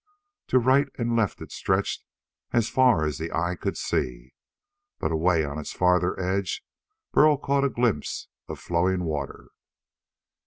To right and left it stretched as far as the eye could see, but away on its farther edge Burl caught a glimpse of flowing water.